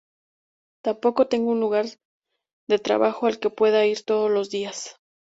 Tampoco tengo un lugar de trabajo al que pueda ir todos los días.